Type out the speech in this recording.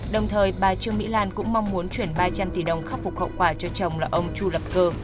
đồng thời bà trương mỹ lan cũng mong muốn chuyển ba trăm linh tỷ đồng khắc phục hậu quả cho chồng là ông chu lập cơ